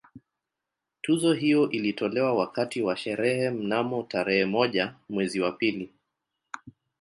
Tuzo hiyo ilitolewa wakati wa sherehe mnamo tarehe moja mwezi wa pili